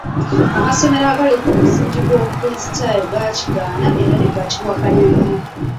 Amasomero agali ku musingi gw'obukulisitaayo gakigaana era ne gakiwakanya nnyo.